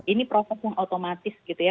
ini proses yang otomatis gitu ya